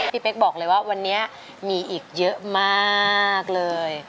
เป๊กบอกเลยว่าวันนี้มีอีกเยอะมากเลย